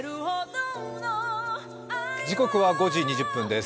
時刻は５時２０分です。